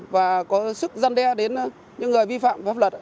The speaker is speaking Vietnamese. và có sức gian đe đến những người vi phạm pháp luật